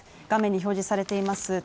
画面に表示されています